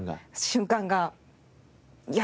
瞬間が。